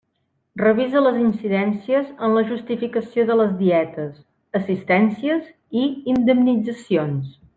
Revisa les incidències en la justificació de les dietes, assistències i indemnitzacions.